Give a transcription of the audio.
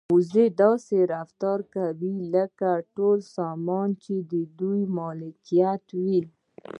وزې داسې رفتار کوي لکه ټول سامان چې د دوی ملکیت وي.